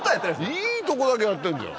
いいとこだけやってんじゃん。